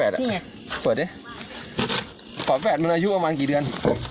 ตอนแฟนมันอายุประมาณกี่เดือน